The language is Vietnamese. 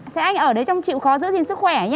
thế anh ở đấy trong chịu khó giữ gìn sức khỏe nhé